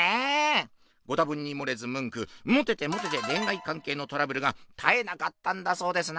ご多分にもれずムンクモテてモテて恋愛関係のトラブルが絶えなかったんだそうですな。